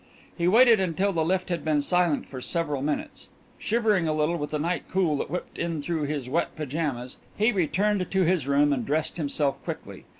He waited until the lift had been silent for several minutes; shivering a little with the night cool that whipped in through his wet pyjamas, he returned to his room and dressed himself quickly.